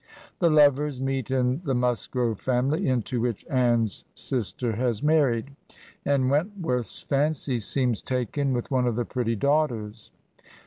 The lovers meet in the Musgrove family into which Anne's sister has married, and Wentworth's fancy seems taken with one of the pretty daughters.